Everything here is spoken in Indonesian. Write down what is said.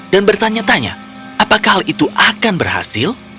dan bertanya tanya apakah hal itu akan berhasil